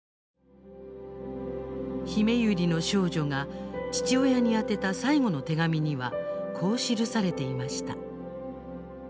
ひめゆりの少女が父親に宛てた最後の手紙にはこう記されていました。